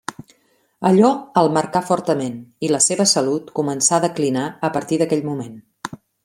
Allò el marcà fortament i la seva salut començà a declinar a partir d'aquell moment.